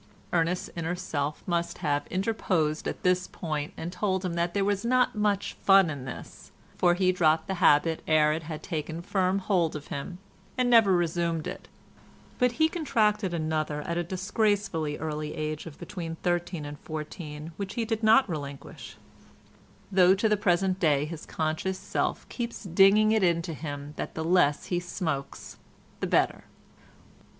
Ernest's inner self must have interposed at this point and told him that there was not much fun in this, for he dropped the habit ere it had taken firm hold of him, and never resumed it; but he contracted another at the disgracefully early age of between thirteen and fourteen which he did not relinquish, though to the present day his conscious self keeps dinging it into him that the less he smokes the better.